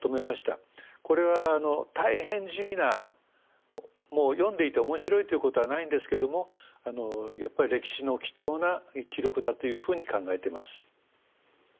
これは大変地味な読んでいて面白いということはないんですけどもやっぱり歴史の貴重な記録だというふうに考えてます。